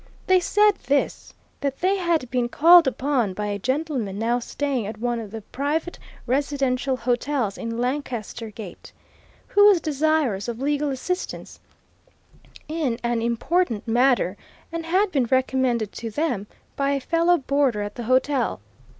"They said this that they had been called upon by a gentleman now staying at one of the private residential hotels in Lancaster Gate, who was desirous of legal assistance in an important matter and had been recommended to them by a fellow boarder at the hotel.